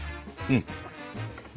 うん。